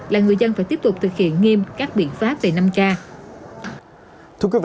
là người dân phải tiếp tục thực hiện nghiêm các biện pháp về năm ca